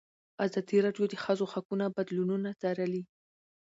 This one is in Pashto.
ازادي راډیو د د ښځو حقونه بدلونونه څارلي.